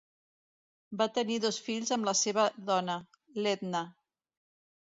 Va tenir dos fills amb la seva dona, l'Edna.